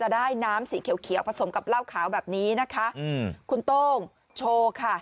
ได้น้ำสีเขียวผสมกับล้าวขาวแบบนี้นะคะคุณโต้งโชว์ค่ะ